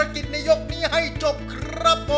กินในยกนี้ให้จบครับผม